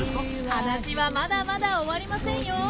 話はまだまだ終わりませんよ！